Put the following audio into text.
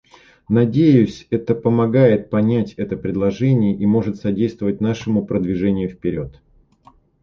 Надеюсь, это помогает понять это предложение и может содействовать нашему продвижению вперед.